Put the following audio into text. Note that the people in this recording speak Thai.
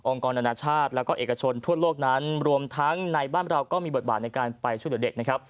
กรนานาชาติแล้วก็เอกชนทั่วโลกนั้นรวมทั้งในบ้านเราก็มีบทบาทในการไปช่วยเหลือเด็กนะครับ